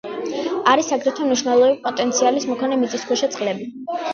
არის აგრეთვე მნიშვნელოვანი პოტენციალის მქონე მიწისქვეშა წყლები.